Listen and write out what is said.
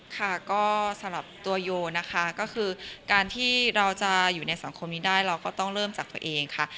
ค่ะก็สำหรับตัวโยนะคะก็คือการที่เราจะอยู่ในสังคมนี้ได้เราก็ต้องเริ่มจากตัวเองค่ะ